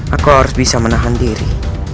aku harus bisa menahan diri